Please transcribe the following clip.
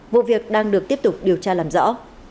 vụ việc đang được tiếp tục điều tra làm rõ